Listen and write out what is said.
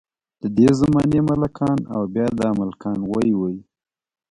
ددې زمانې ملکان او بیا دا ملکان وۍ وۍ.